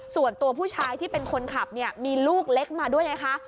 ส่วนตัวผู้ชายที่เป็นคนขับเนี่ยมีลูกเล็กมาด้วยไงคะ